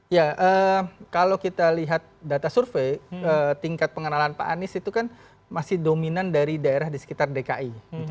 ya kalau kita lihat data survei tingkat pengenalan pak anies itu kan masih dominan dari daerah di sekitar dki